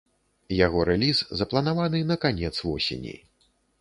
Яго рэліз запланаваны на канец восені.